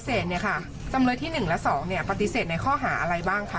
ตอนแรกที่ปฏิเสธจำเลยที่๑และ๒ปฏิเสธในข้อหาอะไรบ้างค่ะ